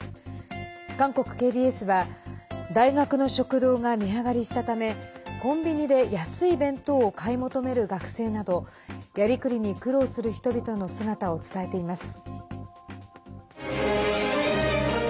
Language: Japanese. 韓国ＫＢＳは大学の食堂が値上がりしたためコンビニで安い弁当を買い求める学生などやりくりに苦労する人々の姿を伝えています。